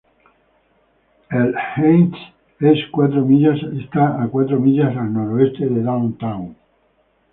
El Heights es cuatro millas al noroeste de Downtown.